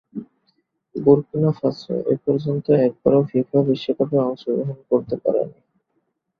Burkina Faso এপর্যন্ত একবারও FIFA বিশ্বকাপে অংশগ্রহণ করতে পারেনি।